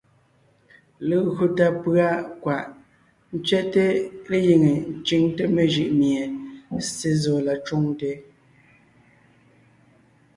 Legÿo tà pʉ̀a kwaʼ ntsẅɛ́te légíŋe ńcʉŋte mejʉʼ mie Ssé zɔ la cwoŋte,